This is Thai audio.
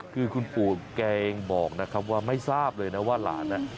คือคุณปู่แกงบอกนะครับว่าไม่ทราบเลยนะว่าหลาน